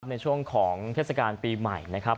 ในช่วงของเทศกาลปีใหม่นะครับ